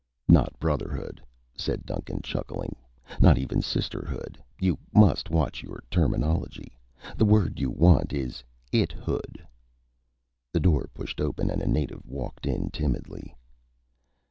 "Not brotherhood," said Duncan, chuckling. "Not even sisterhood. You must watch your terminology. The word you want is ithood." The door pushed open and a native walked in timidly.